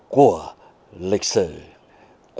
của lịch sử của dân tộc